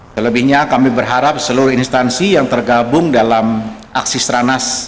selebihnya kami berharap seluruh instansi yang tergabung dalam aksi seranas